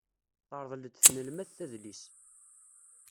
Terḍel-d tnelmadt adlis.